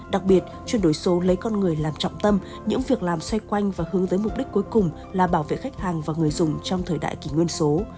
đặc biệt chuyển đổi số lấy con người làm trọng tâm những việc làm xoay quanh và hướng tới mục đích cuối cùng là bảo vệ khách hàng và người dùng trong thời đại kỷ nguyên số